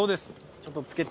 ちょっとつけて。